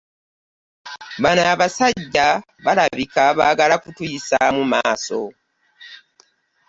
Bano abasajja balabika baagala kutuyisaamu maaso.